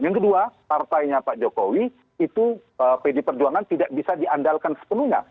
yang kedua partainya pak jokowi itu pd perjuangan tidak bisa diandalkan sepenuhnya